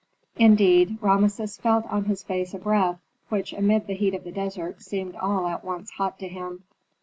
Indeed, Rameses felt on his face a breath, which amid the heat of the desert seemed all at once hot to him.